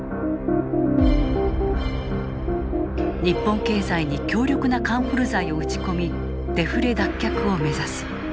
日本経済に強力なカンフル剤を打ち込みデフレ脱却を目指す。